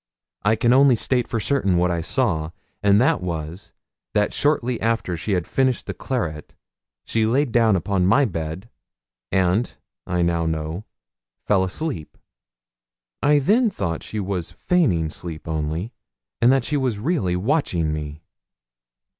I can only state for certain what I saw, and that was, that shortly after she had finished the claret she laid down upon my bed, and, I now know, fell asleep. I then thought she was feigning sleep only, and that she was really watching me.